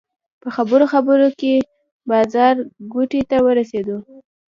په خبرو خبرو کې بازارګوټي ته ورسېدو.